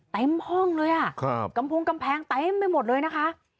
เต็มห้องเลยอ่ะครับกำพงกำแพงเต็มไปหมดเลยนะคะ